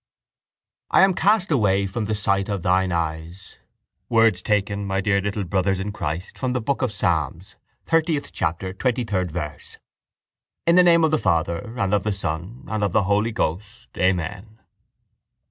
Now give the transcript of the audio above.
—I am cast away from the sight of Thine eyes: words taken, my dear little brothers in Christ, from the Book of Psalms, thirtieth chapter, twentythird verse. In the name of the Father and of the Son and of the Holy Ghost. Amen.